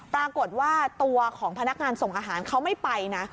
ปรากฏว่าตัวของพนักงานส่งอาหารเขาไม่ไปนะ